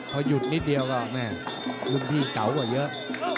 พอหยุดนิดเดียวก็แม่รุ่นพี่เก่ากว่าเยอะ